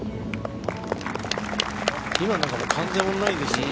今のなんか、完全にオンラインですよね。